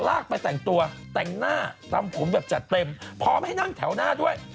ลากไปแต่งตัวแต่งหน้าตำผมแบบจัดเต็มพร้อมให้นั่งแถวหน้าด้วย